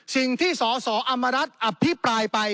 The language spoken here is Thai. สิ่งที่สสอำมารัฐอภิปรายไป